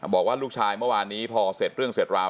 บอกว่าลูกชายเมื่อวานนี้พอเสร็จเรื่องเสร็จราว